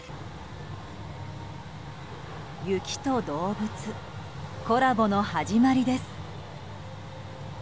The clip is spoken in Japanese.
雪と動物、コラボの始まりです。